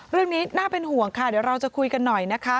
เรื่องนี้น่าเป็นห่วงค่ะเดี๋ยวเราจะคุยกันหน่อยนะคะ